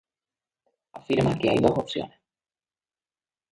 Afirma que hay dos opciones.